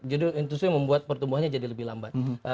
justru membuat pertumbuhannya jadi lebih lambat